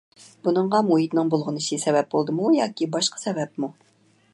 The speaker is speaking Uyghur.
بۇنىڭغا مۇھىتنىڭ بۇلغىنىشى سەۋەب بولدىمۇ ياكى باشقا سەۋەبمۇ؟